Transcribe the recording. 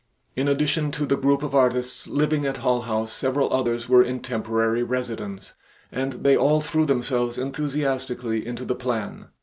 In addition to the group of artists living at Hull House several others were in temporary residence, and they all threw themselves enthusiastically into the plan.